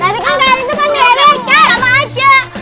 tapi kamu karenan kan meremehkan